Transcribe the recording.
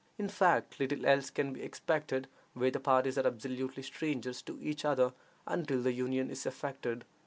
In fact, little else can be expected where the parties are absolutely strangers to each other until the union is effected.